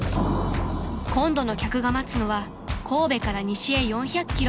［今度の客が待つのは神戸から西へ４００ｋｍ］